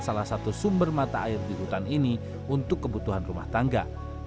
salah satu sumber mata air di hutan ini untuk kebutuhan rumah tangga